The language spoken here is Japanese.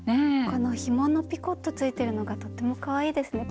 このひものピコットついてるのがとってもかわいいですね。